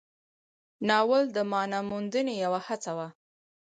ناول د معنا موندنې یوه هڅه وه.